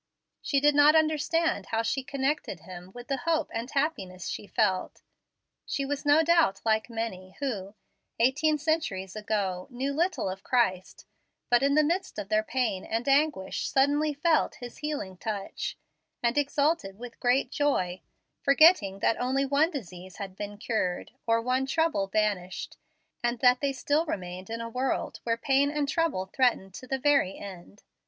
She did not understand how she connected with Him the hope and happiness she felt. She was no doubt like many who, eighteen centuries ago, knew little of Christ, but in the midst of their pain and anguish suddenly felt his healing touch, and exulted with great joy, forgetting that only one disease had been cured, or one trouble banished, and that they still remained in a world where pain and trouble threatened to the very end.